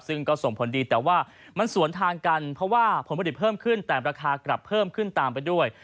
ซึ่งก็ส่งผลดีแต่ว่ามันสวนทางกันเพราะว่าผลผลิตเพิ่มขึ้นแต่ราคากลับเพิ่มขึ้นตามไปด้วย